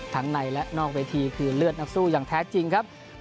ในและนอกเวทีคือเลือดนักสู้อย่างแท้จริงครับ